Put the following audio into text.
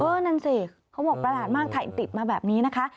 นั่นสิเขาบอกประหลาดมากถ่ายติดมาแบบนี้นะคะ